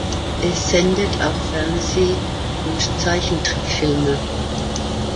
Es sendet auch Fernseh- und Zeichentrickfilme.